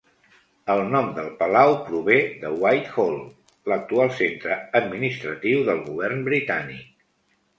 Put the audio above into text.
El nom del palau prové de Whitehall, l'actual centre administratiu del Govern britànic.